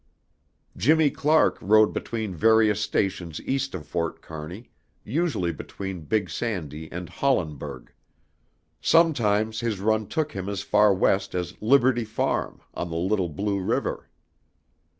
Jimmy Clark rode between various stations east of Fort Kearney, usually between Big Sandy and Hollenburg. Sometimes his run took him as far West as Liberty Farm on the Little Blue River.